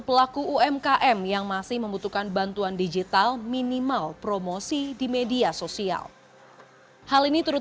pelaku umkm yang masih membutuhkan bantuan digital minimal promosi di media sosial hal ini turut